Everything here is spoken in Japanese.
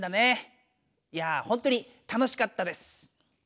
いやほんとに楽しかったです。